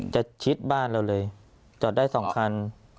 ชิดบ้านเราเลยจอดได้๒คัน